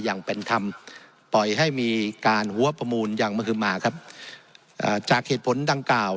อย่างเป็นธรรมปล่อยให้มีการหัวประมูลอย่างมหึมาครับจากเหตุผลดังกล่าว